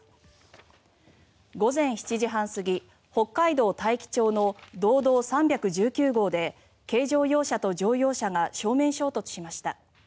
午前７時半過ぎ北海道大樹町の道道３１９号で軽乗用車と乗用車が正面衝突しました。